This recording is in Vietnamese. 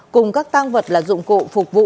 cùng các tăng vật là dụng cụ phục vụ